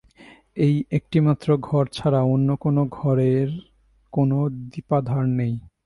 এই একটিমাত্র ঘর ছাড়া অন্য কোনো ঘরেই কোনো দীপাধার নেই।